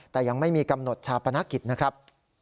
แต่ยังไม่มีกำหนดชาปนกิจนะครับ